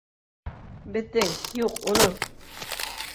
Беҙҙең, юҡ, уның!